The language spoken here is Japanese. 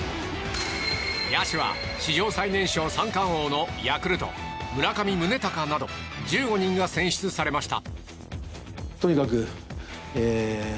野手は、史上最年少三冠王のヤクルト、村上宗隆など１５人が選出されました。